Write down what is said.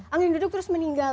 jadi angin duduk terus meninggal